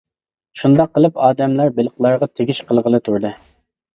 شۇنداق قىلىپ ئادەملەر بېلىقلارغا تېگىش قىلغىلى تۇردى.